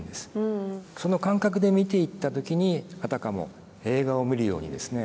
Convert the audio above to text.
その感覚で見ていった時にあたかも映画を見るようにですね